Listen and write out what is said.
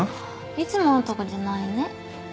いつものとこじゃないね。